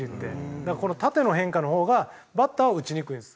だからこの縦の変化の方がバッターは打ちにくいです。